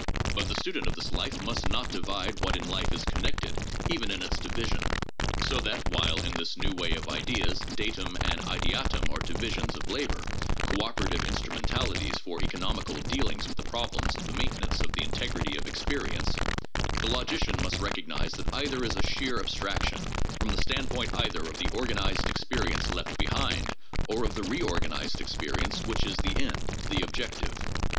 But the student of this life must not divide what in life is connected even in its division. So that, while in this new way of ideas "datum and ideatum are divisions of labor, cooperative instrumentalities, for economical dealing with the problem of the maintenance of the in tegrity of experience," the logician must recognize that either "is a sheer abstraction from the standpoint either of the organized experi ence left behind, or of the reorganized experience which is the end — the objective."